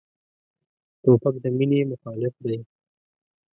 توپک د مینې مخالف دی.